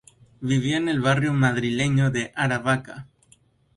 Vivió en el barrio madrileño de Aravaca.